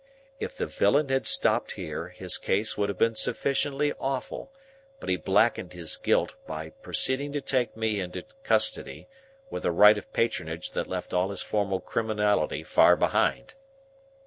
If the villain had stopped here, his case would have been sufficiently awful, but he blackened his guilt by proceeding to take me into custody, with a right of patronage that left all his former criminality far behind.